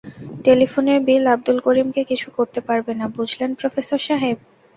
টেলিফোনের বিল আবদুল করিমকে কিছু করতে পারবে না, বুঝলেন প্রফেসর সাহেব?